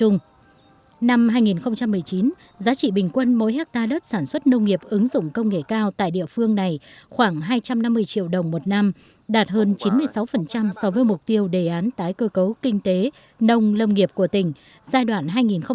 năm hai nghìn một mươi chín giá trị bình quân mỗi hectare đất sản xuất nông nghiệp ứng dụng công nghệ cao tại địa phương này khoảng hai trăm năm mươi triệu đồng một năm đạt hơn chín mươi sáu so với mục tiêu đề án tái cơ cấu kinh tế nông lâm nghiệp của tỉnh giai đoạn hai nghìn một mươi sáu hai nghìn hai mươi